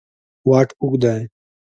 واټ اوږد دی.